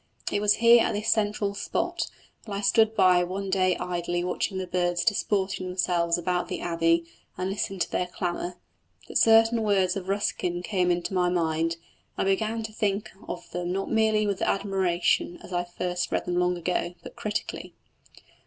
It was here at this central spot, while I stood one day idly watching the birds disporting themselves about the Abbey and listened to their clamour, that certain words of Ruskin came into my mind, and I began to think of them not merely with admiration, as when I first read them long ago, but critically.